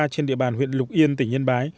trên địa bàn huyện lục yên tỉnh yên bái